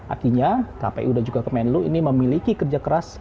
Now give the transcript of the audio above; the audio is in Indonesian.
artinya kpu dan juga kementerian luar negeri ini memiliki kerja keras